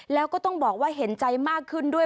แล้วก็ต้องบอกว่าเห็นใจมากขึ้นด้วย